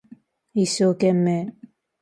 一生懸命